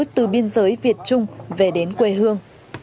từ biên giới việt trung về đến quê hương